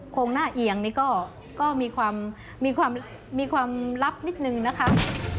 โครงหน้าเอียงนี่ก็มีความลับนิดนึงนะคะ